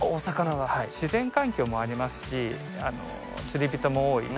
はい自然環境もありますし釣り人も多いので。